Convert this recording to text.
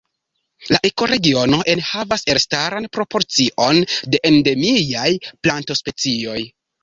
La ekoregiono enhavas elstaran proporcion de endemiaj plantospecioj.